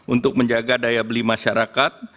untuk menjaga daya beli masyarakat